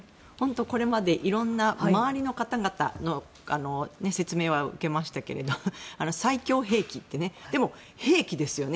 これまでいろんな周りの方々の説明は受けましたが最強兵器ってね。